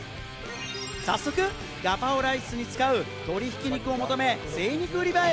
早速、ガパオライスに使う鶏ひき肉を求め、精肉売り場へ。